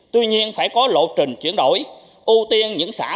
tuy nhiên phải có lộ trình chuyển động